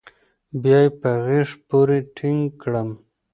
بيا يې په غېږ پورې ټينگ کړم.